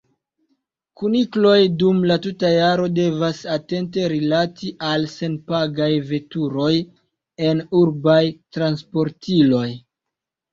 Kunikloj dum la tuta jaro devas atente rilati al senpagaj veturoj en urbaj transportiloj.